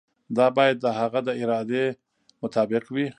دا باید د هغه د ارادې مطابق وي.